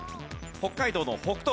北海道の北東部。